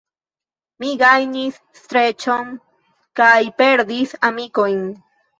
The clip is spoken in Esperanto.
Mi gajnis streĉon kaj perdis amikojn.